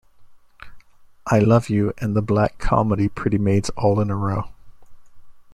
I Love You" and the black comedy "Pretty Maids All in a Row".